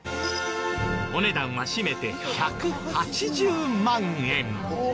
お値段はしめて１８０万円。